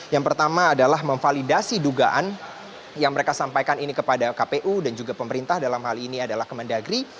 yang pertama adalah memvalidasi dugaan yang mereka sampaikan ini kepada kpu dan juga pemerintah dalam hal ini adalah kemendagri